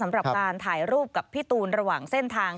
สำหรับการถ่ายรูปกับพี่ตูนระหว่างเส้นทาง